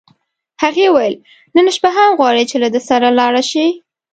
هغې وویل: نن شپه هم غواړې، له ده سره ولاړه شې؟